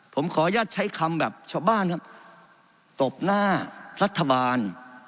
ผมขออนุญาตใช้คำแบบชาวบ้านครับตบหน้ารัฐบาล